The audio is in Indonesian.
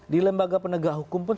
di lembaga penegak hukum pun